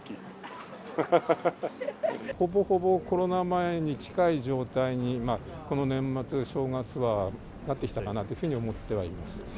ほぼほぼコロナ前に近い状態に、この年末、正月はなってきたかなというふうには思っています。